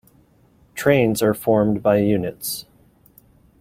Trains are formed by units.